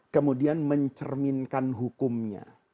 kemudian mencerminkan hukumnya